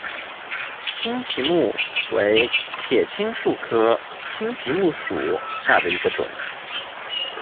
青皮木为铁青树科青皮木属下的一个种。